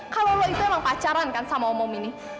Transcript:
kalau lo itu emang pacaran kan sama umum ini